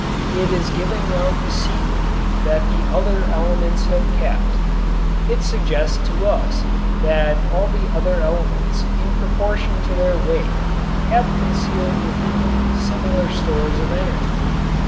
It is giving out the secret that the other elements have kept. It suggests to us that all the other elements in proportion to their weight have concealed within them similar stores of energy.